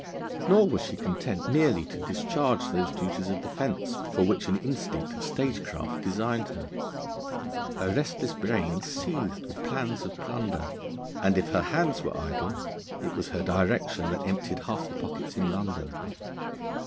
Nor was she content merely to discharge those duties of the fence for which an instinct of statecraft designed her. Her restless brain seethed with plans of plunder, and if her hands were idle it was her direction that emptied half the pockets in London.